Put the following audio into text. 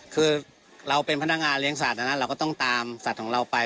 คือเราเป็นพนักงานเลี้ยงสัตว์เราก็ต้องตามสัตว์ของเราไป